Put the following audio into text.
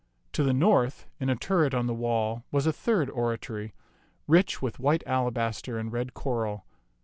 To the north, in a turret on the wall, was a third oratory, rich with white alabaster and red coral.